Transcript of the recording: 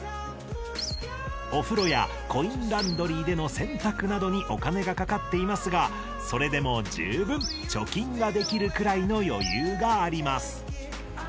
お風呂やコインランドリーでの洗濯などにお金がかかっていますがそれでも十分貯金ができるくらいの余裕があります